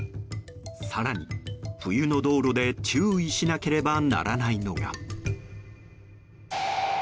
更に、冬の道路で注意しなければならないのが。